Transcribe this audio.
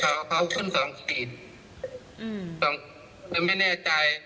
ถ้าเขาตกเป็นมาเนี่ยเขาตัวร้อนนะครับเป็นไข้สูง